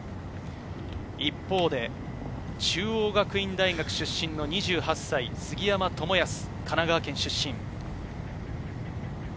一方で中央学院大学出身の２８歳、杉山知靖、神奈川県出身。